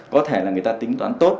có thể là người ta tính toán tốt